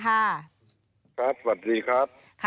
ครับสวัสดีครับ